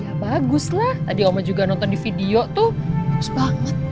iya baguslah tadi omah juga nonton di video tuh bagus banget